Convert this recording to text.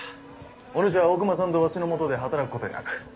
お主は大隈さんとわしの下で働くことになる。